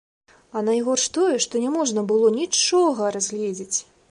А найгорш тое, што няможна было нічога разгледзець.